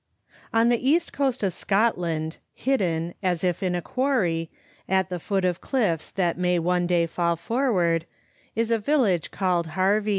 On the east coast of Scotland, hidden, as if in a quarry, at the foot of cliffs that may one day fall for ward, is a village called Harvie.